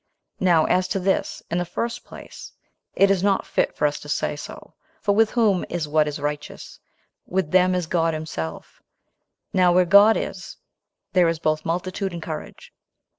Now, as to this, in the first place, it is not fit for us to say so, for with whom is what is righteous, with them is God himself; now where God is, there is both multitude and courage.